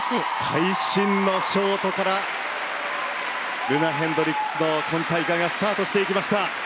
会心のショートからルナ・ヘンドリックスの今大会がスタートしていきました。